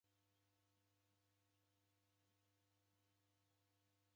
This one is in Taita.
Iyo kesi ndeitanyiro nicha.